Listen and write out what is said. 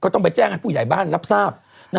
ต้องไปแจ้งพุทธใหญ่บ้านนับทราบ